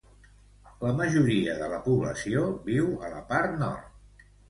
La majoria de la població viu a la part nord.